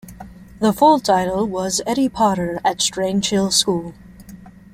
The full title was "Eddie Potter at Strange Hill School".